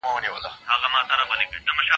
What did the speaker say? هم په زور كي موږكان نه وه زمري وه